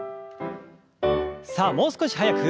さあもう少し速く。